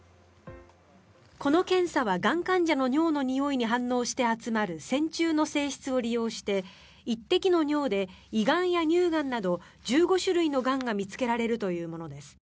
この検査は、がん患者の尿のにおいに反応して集まる線虫の性質を利用して１滴の尿で胃がんや乳がんなど１５種類のがんが見つけられるというものです。